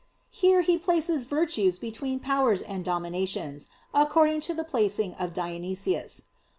Here he places "Virtues" between "Powers" and "Dominations," according to the placing of Dionysius.